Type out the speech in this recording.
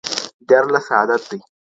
ديارلس عدد دئ.